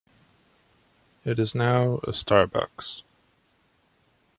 It is now a Starbucks.